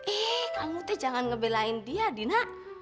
eh kamu teh jangan ngebelain dia dina